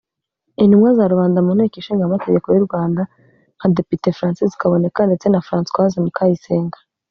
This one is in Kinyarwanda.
Intumwa za Rubanda mu Nteko Ishinga Amategeko y’u Rwanda nka Depite Francis Kaboneka ndetse na Francoise Mukayisenga